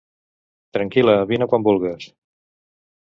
Tranquil·la, vine quan vulgues.